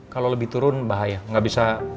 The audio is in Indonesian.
kalau lebih turun bahaya nggak bisa